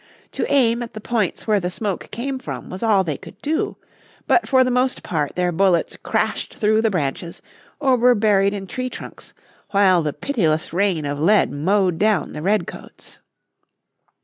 To aim at the points where the smoke came from was all they could do. But for the most part their bullets crashed through the branches, or were buried in tree trunks, while the pitiless rain of lead mowed down the redcoats.